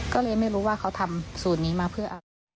ก็เลยไม่รู้ว่าเขาทำสูตรนี้มาเพื่ออะไร